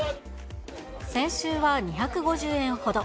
先週は２５０円ほど。